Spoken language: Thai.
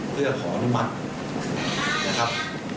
เพื่อขออนุมัตินะครับ